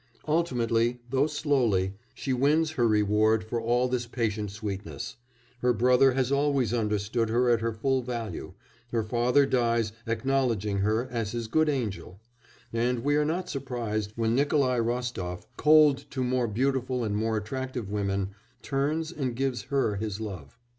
Ultimately, though slowly, she wins her reward for all this patient sweetness; her brother has always understood her at her full value, her father dies acknowledging her as his good angel, and we are not surprised when Nikolai Rostof, cold to more beautiful and more attractive women, turns and gives her his love.